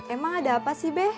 emang ada apa sih be